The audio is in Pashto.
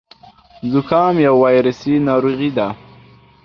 زکام يو وايرسي ناروغي ده.